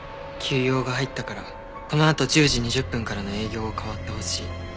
急用が入ったからこのあと１０時２０分からの営業を代わってほしい。